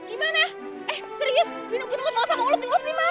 gimana eh serius binu kita ketawa sama ulet ulet dimana sih